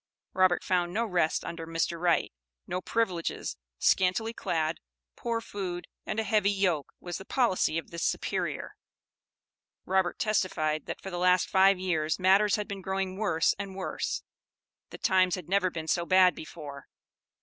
Robert found no rest under Mr. Wright; no privileges, scantily clad, poor food, and a heavy yoke, was the policy of this "superior." Robert testified, that for the last five years, matters had been growing worse and worse; that times had never been so bad before.